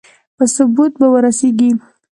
په ثبوت به ورسېږي.